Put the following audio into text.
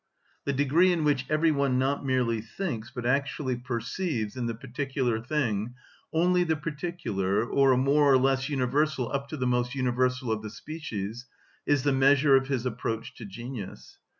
The degree in which every one not merely thinks, but actually perceives, in the particular thing, only the particular, or a more or less universal up to the most universal of the species, is the measure of his approach to genius.